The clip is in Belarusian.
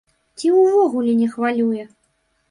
Ці ўвогуле не хвалюе.